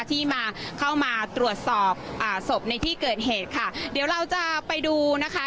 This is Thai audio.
ที่มาเข้ามาตรวจสอบอ่าศพในที่เกิดเหตุค่ะเดี๋ยวเราจะไปดูนะคะ